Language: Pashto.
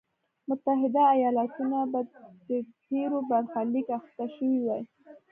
متحده ایالتونه به د پیرو برخلیک اخته شوی وای.